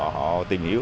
họ tìm hiểu